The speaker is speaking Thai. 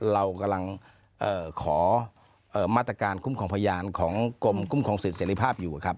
เรากำลังขอมาตรการคุ้มครองพยานของกรมคุ้มครองสิทธิเสรีภาพอยู่ครับ